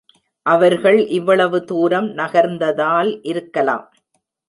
அவர்கள் இவ்வளவு தூரம் நகர்ந்ததால் இருக்கலாம்.